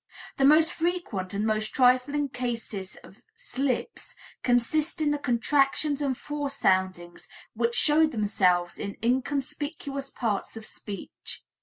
The most frequent and most trifling cases of slips consist in the contractions and foresoundings which show themselves in inconspicuous parts of speech.